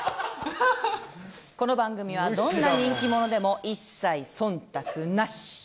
この番組は、どんな人気者でも一切忖度なし。